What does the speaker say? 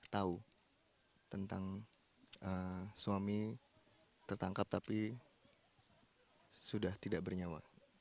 tahu tentang suami tertangkap tapi sudah tidak bernyawa